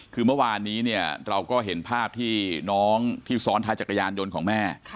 คือเมื่อวานนี้เนี่ยเราก็เห็นภาพที่น้องที่ซ้อนท้ายจักรยานยนต์ของแม่